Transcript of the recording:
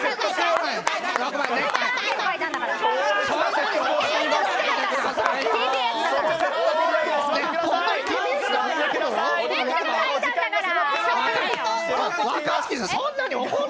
ムックが書いたんだから。